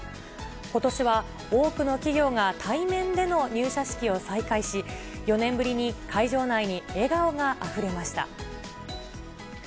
ことしは多くの企業が対面での入社式を再開し、４年ぶりに会場内に笑顔があふれました。